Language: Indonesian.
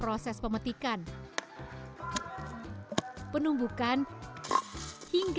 kementerian pariwisata dan ekonomi kreatif